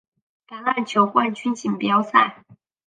橄榄球冠军锦标赛。